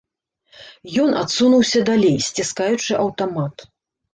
Ён адсунуўся далей, сціскаючы аўтамат.